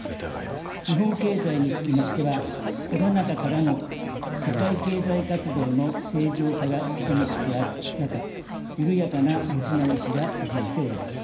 日本経済につきましては、コロナ禍からの社会経済活動の正常化が進みつつある中、緩やかな持ち直しが続いております。